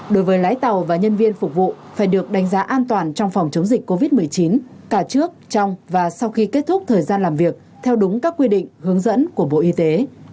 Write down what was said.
đối với lái tàu và nhân viên phục vụ phải được đánh giá an toàn trong phòng chống dịch covid một mươi chín cả trước trong và sau khi kết thúc thời gian làm việc theo đúng các quy định hướng dẫn của bộ y tế